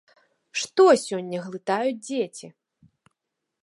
Што сёння глытаюць дзеці?